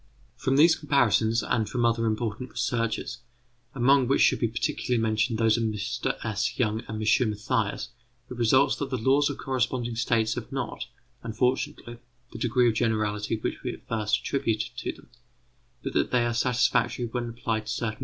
From these comparisons, and from other important researches, among which should be particularly mentioned those of Mr S. Young and M. Mathias, it results that the laws of corresponding states have not, unfortunately, the degree of generality which we at first attributed to them, but that they are satisfactory when applied to certain groups of bodies.